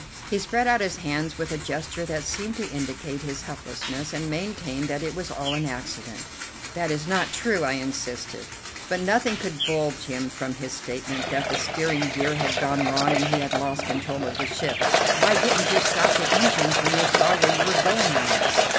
He spread out his hands with a gesture that seemed to indicate his helplessness, and maintained that it was all an accident. "That is not true," I insisted, but nothing could budge him from his statement that the steering gear had gone wrong and he had lost control of the ship. "Why didn't you stop the engines when you saw where you were going?" I asked.